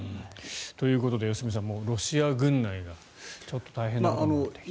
ということで良純さんロシア軍内が大変なことに。